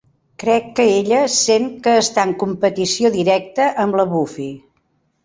Crec que ella sent que està en competició directa amb la Buffy.